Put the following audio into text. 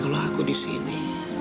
karena kalau aku disini